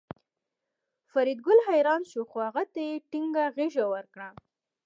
فریدګل حیران شو خو هغه ته یې ټینګه غېږه ورکړه